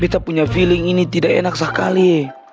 beta punya feeling ini tidak enak sekali ee